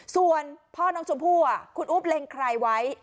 ส่วนพ่อน้องชมพู่คุณอุ๊บเล็งใครไว้